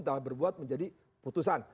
telah berbuat menjadi putusan